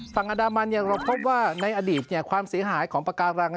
ฝั่งอันดามันยังเราพบว่าในอดีตความเสียหายของปากการัง